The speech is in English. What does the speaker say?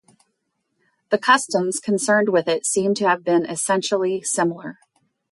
The customs concerned with it seem to have been essentially similar.